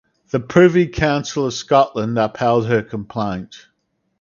The Privy Council of Scotland upheld her complaint.